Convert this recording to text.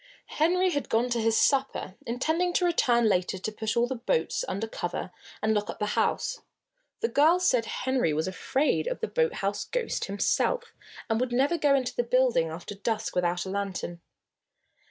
Henry had gone to his supper, intending to return later to put all the boats under cover and lock up the house. The girls said Henry was afraid of the boathouse ghost himself, and would never go into the building after dusk without a lantern.